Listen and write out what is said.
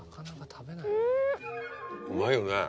うまいよね。